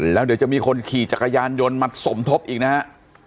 แล้วเดี๋ยวจะมีคนขี่จักรยานยนต์มาสมทบอีกนะฮะ